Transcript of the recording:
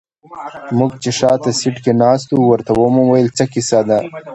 موږ چې شاته سيټ کې ناست وو ورته ومو ويل څه کيسه ده.